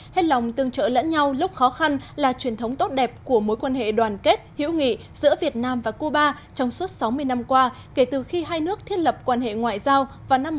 hết lòng tương trợ lẫn nhau lúc khó khăn là truyền thống tốt đẹp của mối quan hệ đoàn kết hiểu nghị giữa việt nam và cuba trong suốt sáu mươi năm qua kể từ khi hai nước thiết lập quan hệ ngoại giao vào năm một nghìn chín trăm bảy mươi